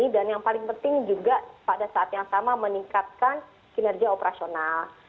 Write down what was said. dan yang paling penting juga pada saat yang sama meningkatkan kinerja operasional